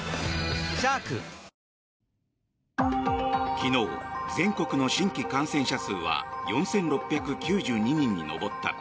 昨日、全国の新規感染者数は４６９２人に上った。